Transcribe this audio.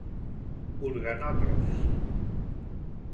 Organòtrofs: